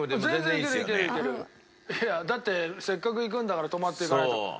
だってせっかく行くんだから泊まっていかないと。